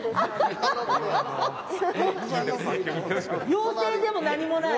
妖精でも何もない。